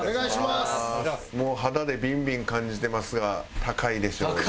もう肌でビンビン感じてますが高いでしょうね。